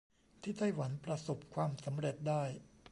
ที่ไต้หวันประสบความสำเร็จได้